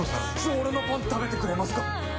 俺のパン食べてくれますか？